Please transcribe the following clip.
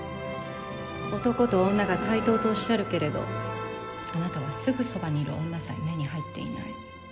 男と女が対等とおっしゃるけれどあなたはすぐそばにいる女さえ目に入っていない。